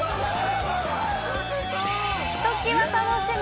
ひときわ楽しむ